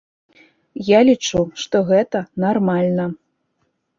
Я лічу, што гэта нармальна.